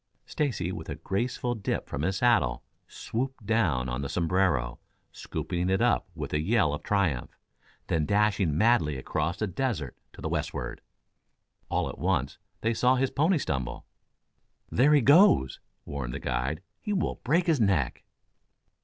Stacy, with a graceful dip from his saddle, swooped down on the sombrero, scooping it up with a yell of triumph, then dashing madly across the desert to the westward. All at once they saw his pony stumble. "There he goes!" warned the guide. "He will break his neck!"